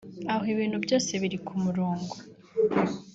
aho ibintu byose biri ku murongo